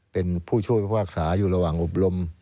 เป็นผู้ช่วยพิพากษาอยู่ระหว่างอบรม